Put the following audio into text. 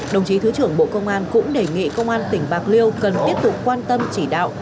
đồng chí thứ trưởng bộ công an cũng đề nghị công an tỉnh bạc liêu cần tiếp tục quan tâm chỉ đạo